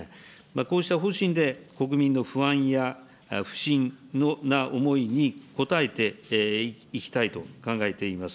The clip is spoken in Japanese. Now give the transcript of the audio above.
こうした方針で、国民の不安や不信な思いに応えていきたいと考えています。